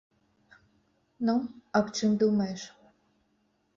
Ну, аб чым думаеш?